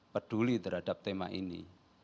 peduli terhadap tema ini